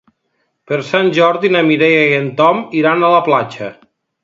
Per Sant Jordi na Mireia i en Tom iran a la platja.